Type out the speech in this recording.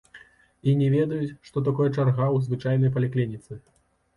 І не ведаюць, што такое чарга ў звычайнай паліклініцы.